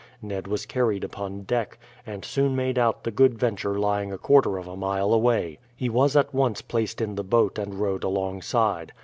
Ned was carried upon deck, and soon made out the Good Venture lying a quarter of a mile away. He was at once placed in the boat and rowed alongside.